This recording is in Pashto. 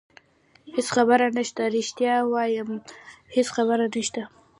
هېڅ خبره نشته، رښتیا وایم هېڅ خبره نشته.